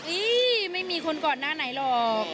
อี๊ยไม่มีคนกอดหน้าไหนหรอก